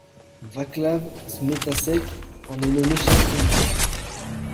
Václav Smetáček en est nommé chef invité.